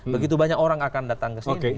begitu banyak orang akan datang ke sini